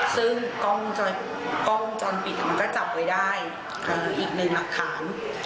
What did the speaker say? ซึ่งกล้องวงจรปิดมันก็จับไว้ได้คืออีกหนึ่งหลักฐาน